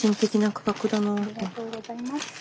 ありがとうございます。